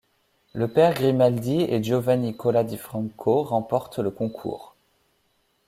Le Père Grimaldi et Giovanni Cola di Franco remportent le concours.